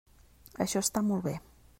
Això està molt bé.